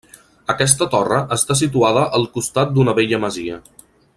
Aquesta torre està situada al costat d'una vella masia.